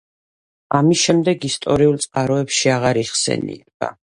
ამის შემდეგ ისტორიულ წყაროებში აღარ იხსენიება.